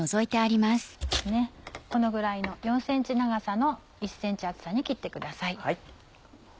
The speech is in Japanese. このぐらいの４ｃｍ長さの１ｃｍ厚さに切ってください。